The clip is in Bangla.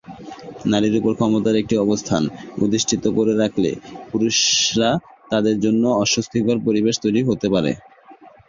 নারীর উপর ক্ষমতার একটি অবস্থান অধিষ্ঠিত করে রাখলে, পুরুষরা তাদের জন্য অস্বস্তিকর পরিবেশ তৈরি হতে পারে।